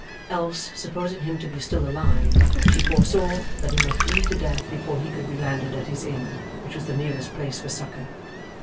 Else, supposing him to be still alive, she foresaw that he must bleed to death before he could be landed at his inn, which was the nearest place for succour.